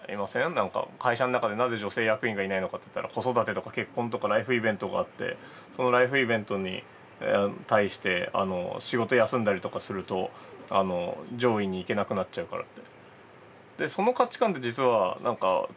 何か会社の中でなぜ女性役員がいないのかっていったら子育てとか結婚とかライフイベントがあってそのライフイベントに対して仕事休んだりとかすると上位に行けなくなっちゃうからって。